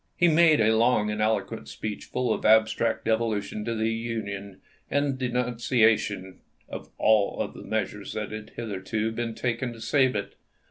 He made a long and eloquent speech full of abstract devo tion to the Union and of denunciation of all the measures that had hitherto been taken to save it.